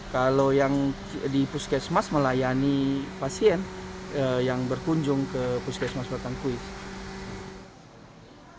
kalau yang di puskesmas melayani pasien yang berkunjung ke puskesmas batangkuis